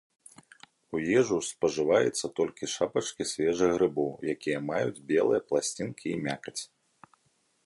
У ежу спажываецца толькі шапачкі свежых грыбоў, якія маюць белыя пласцінкі і мякаць.